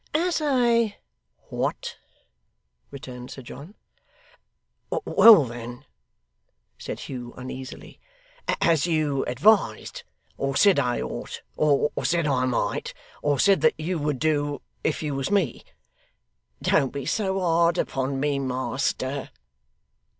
'As I WHAT?' returned Sir John. 'Well then,' said Hugh uneasily, 'as you advised, or said I ought, or said I might, or said that you would do, if you was me. Don't be so hard upon me, master.